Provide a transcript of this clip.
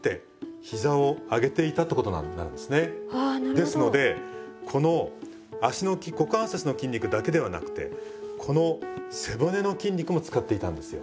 ですのでこの脚の股関節の筋肉だけではなくてこの背骨の筋肉も使っていたんですよ。